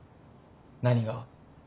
何が？